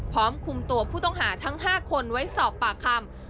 พร้อมคุมตัวผู้ต้องหาทั้ง๕คนไว้สอบปากคำ